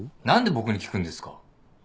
何で僕に聞くんですか？